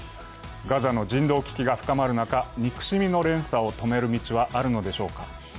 ガザの人道危機が深まる中、憎しみの連鎖を止める道はあるのでしょうか。